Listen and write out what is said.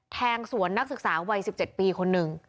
แทงสวนนักศึกษาวัย๑๗ปีคนหนึ่ง